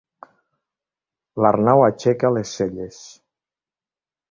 L'Arnau aixeca les celles.